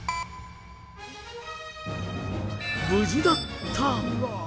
無事だった。